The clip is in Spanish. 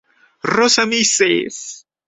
Rosa 'Mrs.